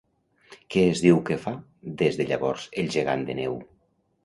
Què es diu que fa des de llavors el gegant de neu?